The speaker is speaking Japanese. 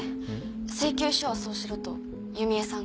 請求書はそうしろと弓江さんが。